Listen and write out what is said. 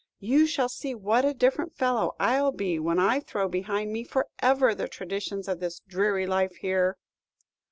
"You shall see what a different fellow I'll be when I throw behind me forever the traditions of this dreary life here."